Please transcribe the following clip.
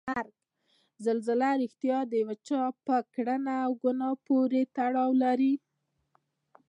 زلزله ریښتیا د یو چا په کړنه او ګناه پورې تړاو لري؟